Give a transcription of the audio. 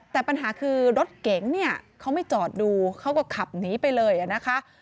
แต่ปัญหาคือรถเก๋งเนี่ยเขาไม่จอดดูเขาก็ขับหนีไปเลยนะคะ